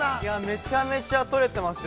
◆めちゃめちゃ取れてますよ。